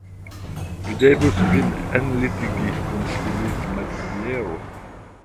Vi devus vin enlitigi, konsilis Maziero.